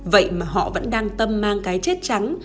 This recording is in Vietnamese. vậy mà họ vẫn đang tâm mang cái chết trắng